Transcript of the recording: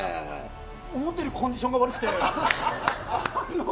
思ったよりコンディションが悪くて。